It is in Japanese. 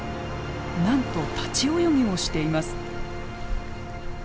なんと立ち泳ぎをしています。